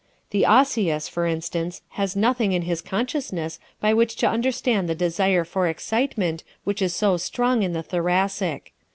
¶ The Osseous, for instance, has nothing in his consciousness by which to understand the desire for excitement which is so strong in the Thoracic.